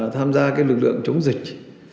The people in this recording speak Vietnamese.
tham gia lực lượng chống dịch